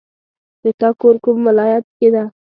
د تا کور کوم ولایت کې ده